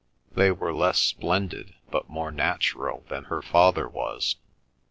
They were less splendid but more natural than her father was.